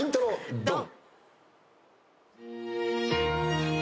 ドン！